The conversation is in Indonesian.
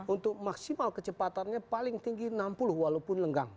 untuk maksimal kecepatannya paling tinggi enam puluh walaupun lenggang